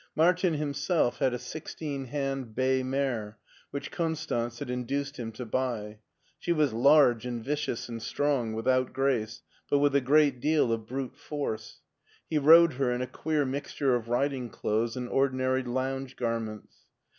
Martin himself had a sixteen hand bay mare, which Konstanz had induced him to buy. She was large and vicious and strong, without grace, but with a great deal of brute force. He rode her in a queer mixture of riding clothes and ordinary lounge garments.